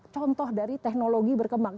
contoh dari teknologi berkembang